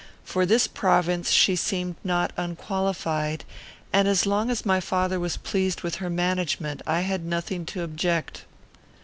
For this province she seemed not unqualified, and, as long as my father was pleased with her management, I had nothing to object.